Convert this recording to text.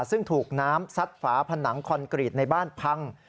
ซึ่งถูกน้ำซัดฝาผนังคอนกรีตในบ้านพัง